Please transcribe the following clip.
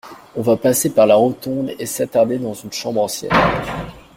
On va passer par la rotonde et s'attarder dans une chambre ancienne.